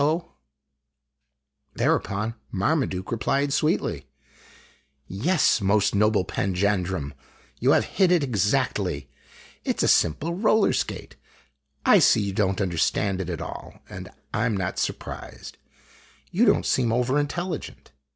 o <_> Thereupon Marmaduke replied sweetly :" Yes, most noble panjandrum. You have hit it exactly. It 's a simple roller skate. I see you don't understand it at all, and I 'in not surprised. You don't seem over intelligent."